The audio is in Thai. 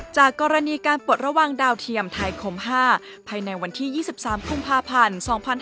จากกรณีการปลดระวังดาวเทียมไทยคม๕ภายในวันที่๒๓กุมภาพันธ์๒๕๕๙